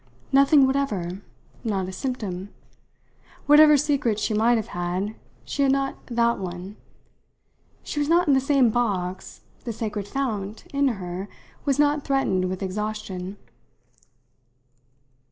Nothing whatever not a symptom. Whatever secrets she might have had, she had not that one; she was not in the same box; the sacred fount, in her, was not threatened with exhaustion.